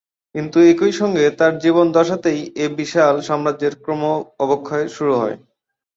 কিন্তু একই সঙ্গে তাঁর জীবদ্দশাতেই এ বিশাল সাম্রাজ্যের ক্রম অবক্ষয় শুরু হয়।